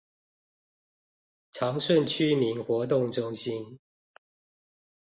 長順區民活動中心